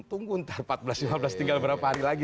tunggu ntar empat belas lima belas tinggal berapa hari lagi